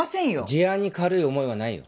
事案に軽い重いはないよ。